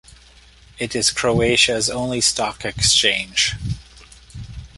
It is Croatia's only stock exchange.